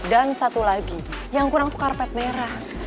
dan satu lagi yang kurang tuh karpet merah